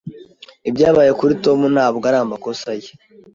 Ibyabaye kuri Tom ntabwo ari amakosa ye.